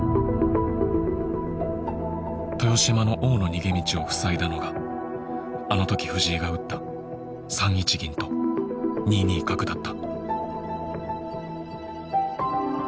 豊島の王の逃げ道を塞いだのがあの時藤井が打った３一銀と２二角だった。